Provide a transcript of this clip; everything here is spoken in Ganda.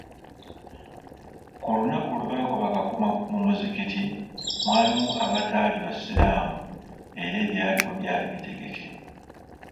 Ku lunaku lwe baagoba Kakomo mu muzikiti mwalimu abatali basiraamu era ebyaliwo byali bitegeke.